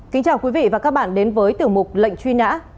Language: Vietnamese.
kính chào quý vị và các bạn đến với tiểu mục lệnh truy nã